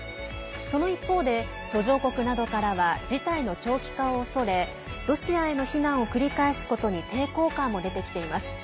その一方で途上国などからは事態の長期化を恐れロシアへの非難を繰り返すことに抵抗感も出てきています。